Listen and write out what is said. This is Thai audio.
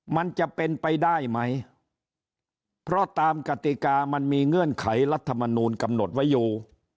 มันจะเป็นไปได้ไหมเพราะตามกติกามันมีเงื่อนไขรัฐมนูลกำหนดไว้อยู่